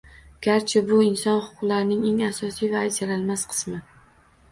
Garchi bu inson huquqlarining eng asosiy va ajralmas qismi